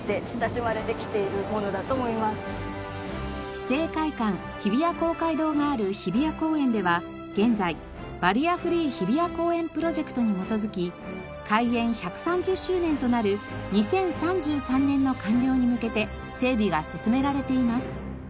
市政会館・日比谷公会堂がある日比谷公園では現在「バリアフリー日比谷公園プロジェクト」に基づき開園１３０周年となる２０３３年の完了に向けて整備が進められています。